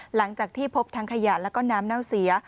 หลังจากที่พบทั้งขยะแล้วก็น้ำเน่าเสีย